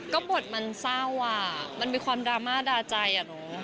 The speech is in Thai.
ก็บทมันเศร้ามันมีความดรามะดาใจอ่ะเนอะ